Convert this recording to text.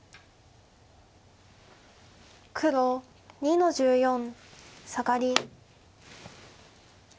黒２の十四サガリ。